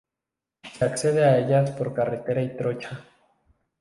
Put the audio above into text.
Se accede a ellas por carretera y trocha.